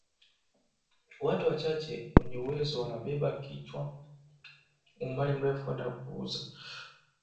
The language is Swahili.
Watu wachache wenye uwezo wanabeba kichwani umbali mrefu kwenda kuuza